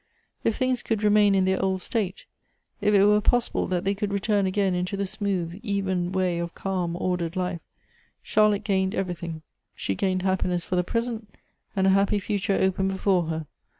If things could remain in their old state — if it were possible that they could return again into the smooth, even way of calm ordered life, Charlotte gained everything; she gained happiness for the present, and a happy future opened before her.